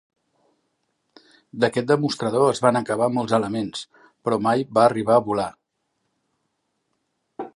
D'aquest demostrador es van acabar molts elements, però mai va arribar a volar.